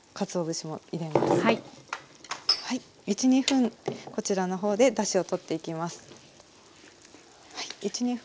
１２分こちらの方でだしを取っていきます。